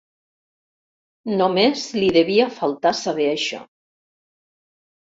Només li devia faltar saber això!